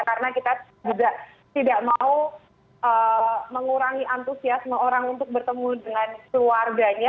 karena kita juga tidak mau mengurangi antusiasme orang untuk bertemu dengan keluarganya